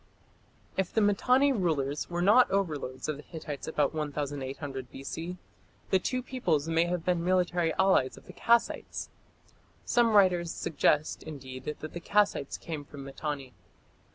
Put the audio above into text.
If the Mitanni rulers were not overlords of the Hittites about 1800 B.C., the two peoples may have been military allies of the Kassites. Some writers suggest, indeed, that the Kassites came from Mitanni.